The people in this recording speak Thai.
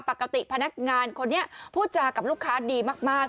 ปกติพนักงานคนนี้พูดจากับลูกค้าดีมาก